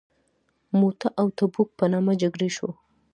موته او تبوک په نامه جګړې شوي.